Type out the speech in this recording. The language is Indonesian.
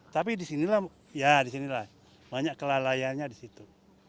tapi disinilah ya disinilah banyak kelalaiannya disitu